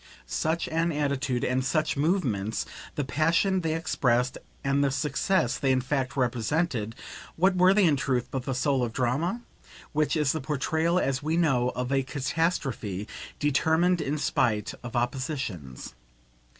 Such an attitude and such movements, the passion they expressed and the success they in fact represented, what were they in truth but the soul of drama? which is the portrayal, as we know, of a catastrophe determined in spite of oppositions.